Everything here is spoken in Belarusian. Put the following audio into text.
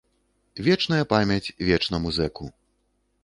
Вечная памяць вечнаму зэку!